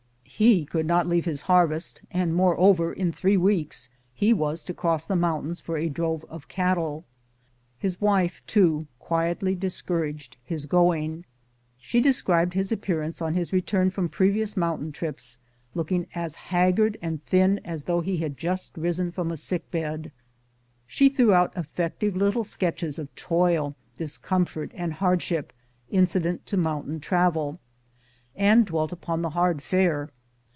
He could not leave his harvest, and moreover in three weeks he was to cross the mountains for a drove of cattle. His wife, too, quietly discouraged his going. She de scribed his appearance on his return from previous mountain trips, looking as haggard and thin as though he had just risen from a sick bed. She threw out ef fective little sketches of toil, discomfort, and hard ship incident to mountain travel, and dwelt upon the hard fare.